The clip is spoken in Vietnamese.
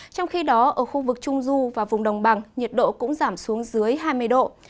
trong khi đó ở khu vực trung du và vùng đồng bằng nhiệt độ cũng giảm xuống dưới hai mươi độ